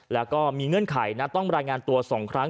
และยืนยันเหมือนกันว่าจะดำเนินคดีอย่างถึงที่สุดนะครับ